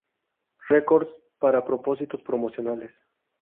Records para propósitos promocionales.